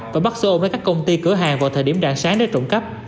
và bắt số ôn với các công ty cửa hàng vào thời điểm đạn sáng để trộm cắp